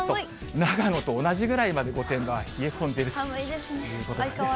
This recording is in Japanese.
長野と同じぐらいまで御殿場は冷え込んでいるということです。